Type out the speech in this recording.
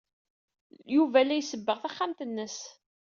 Yuba la isebbeɣ taxxamt-nnes.